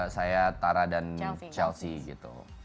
saya tara dan chelsea gitu